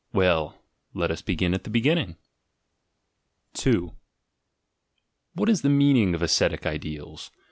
— Well, let us begin at the beginning. 2. What is the meaning of ascetic ideals?